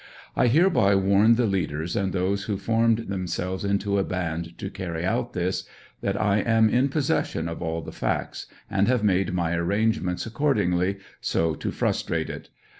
I hereby warn the leadei:s and those who formed themselves into a band to carry out this, that I am in possession of all the facts, and have made my arrangements accordingly, so to frustrate it.